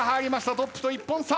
トップと１本差。